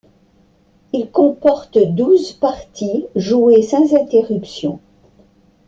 Il comporte douze parties, jouées sans interruption.